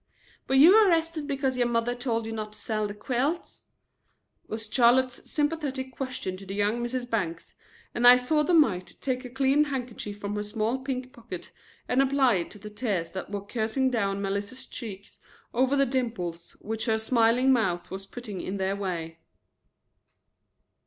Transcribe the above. "Were you arrested because your mother told you not to sell the quilts?" was Charlotte's sympathetic question to the young Mrs. Bangs; and I saw the mite take a clean handkerchief from her small pink pocket and apply it to the tears that were coursing down Melissa's cheeks over the dimples which her smiling mouth was putting in their way.